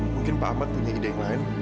mungkin pak ahmad punya ide yang lain